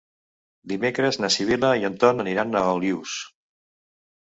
Dimecres na Sibil·la i en Ton aniran a Olius.